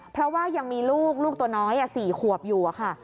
เพราะว่ายังมีลูกลูกตัวน้อย๔ขวบอยู่ค่ะ